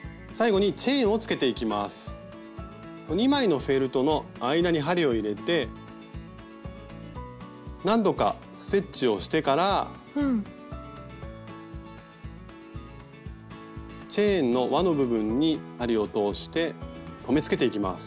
最後に２枚のフェルトの間に針を入れて何度かステッチをしてからチェーンの輪の部分に針を通して留めつけていきます。